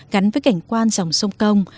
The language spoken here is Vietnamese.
gắn với cảnh quan dòng sông công